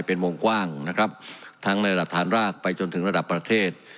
เป็นวงกว้างนะครับทั้งในระดับฐานรากไปจนถึงระดับประเทศ